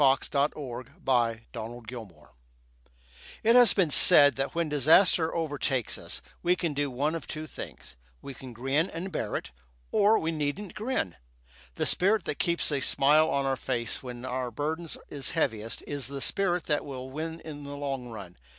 _ THE FIRM OF GRIN AND BARRETT It has been said that when disaster overtakes us, we can do one of two things we can grin and bear it, or we needn't grin. The spirit that keeps a smile on our faces when our burden is heaviest is the spirit that will win in the long run.